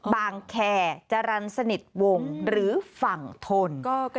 บางแครจรรสนิทวงหรือฝั่งถ่น